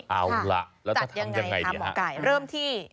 เอาล่ะแล้วจะทำยังไงคะหมอไก่เริ่มที่